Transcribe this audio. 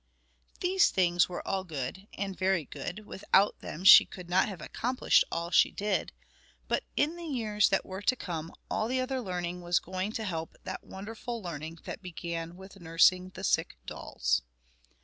These things were all good, and very good; without them she could not have accomplished all she did; but in the years that were to come all the other learning was going to help that wonderful learning that began with nursing the sick dolls.